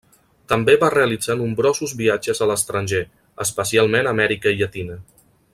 També va realitzar nombrosos viatges a l'estranger, especialment a Amèrica Llatina.